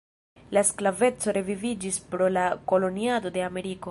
La sklaveco reviviĝis pro la koloniado de Ameriko.